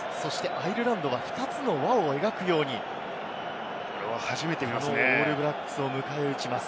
アイルランドは２つの輪を描くように、オールブラックスを迎え撃ちます。